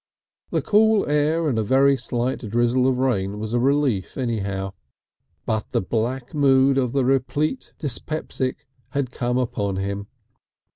The cool air and a very slight drizzle of rain was a relief anyhow. But the black mood of the replete dyspeptic had come upon him.